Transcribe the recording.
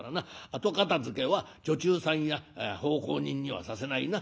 後片づけは女中さんや奉公人にはさせないな。